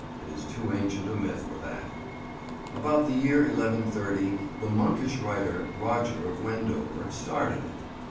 It is too ancient a myth for that. About the year 1130 the monkish writer, Roger of Wendover, started it.